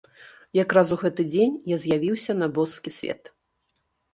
Якраз у гэты дзень я з'явіўся на боскі свет.